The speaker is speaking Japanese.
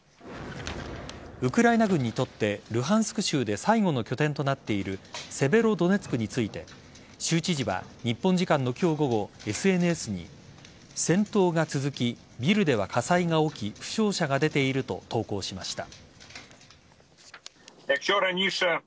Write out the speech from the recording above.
ウクライナ軍にとってルハンスク州で最後の拠点となっているセベロドネツクについて州知事は日本時間の今日午後ＳＮＳに戦闘が続き、ビルでは火災が起き負傷者が出ていると投稿しました。